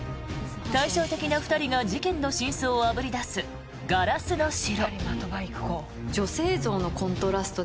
対照的な２人が事件の真相をあぶり出す「ガラスの城」。